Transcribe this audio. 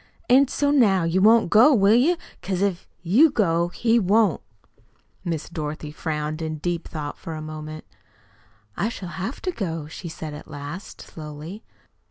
"An' so now you won't go, will you? Because if you go, he won't." Miss Dorothy frowned in deep thought for a moment. "I shall have to go," she said at last, slowly.